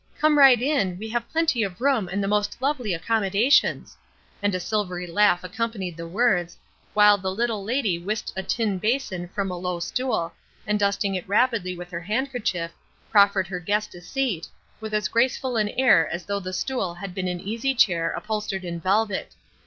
Come right in, we have plenty of room and the most lovely accommodations," and a silvery laugh accompanied the words, while the little lady whisked a tin basin from a low stool, and dusting it rapidly with her handkerchief proffered her guest a seat, with as graceful an air as though the stool had been an easy chair upholstered in velvet.